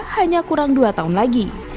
hanya kurang dua tahun lagi